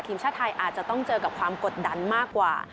ทีมชาติไทยอาจจะต้องเจอกับความกดดันมากกว่า